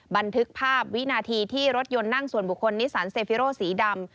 บันทึกภาพวินาทีที่รถยนต์นั่งส่วนบุคคลนิสันเซฟิโรสีดำ